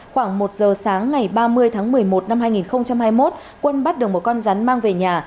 khoảng một giờ sáng ngày ba mươi tháng một mươi một năm hai nghìn hai mươi một quân bắt được một con rắn mang về nhà